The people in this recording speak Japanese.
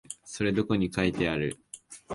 それどこに書いてある？